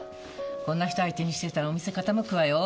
こんな人相手にしてたらお店傾くわよ。